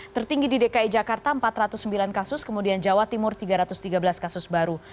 tertinggi di dki jakarta empat ratus sembilan kasus kemudian jawa timur tiga ratus tiga belas kasus baru